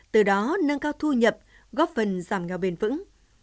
từ đó nâng cao thu nhập góp phần giảm nghèo bền vững